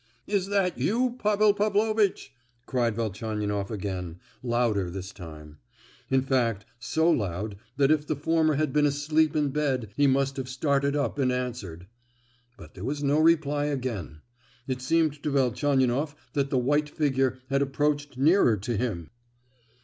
"Is that you, Pavel Pavlovitch?" cried Velchaninoff again, louder this time; in fact, so loud that if the former had been asleep in bed he must have started up and answered. But there was no reply again. It seemed to Velchaninoff that the white figure had approached nearer to him.